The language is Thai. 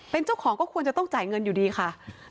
เป็นเจ้าของก็ควรจะต้องจ่ายเงินอยู่ดีค่ะ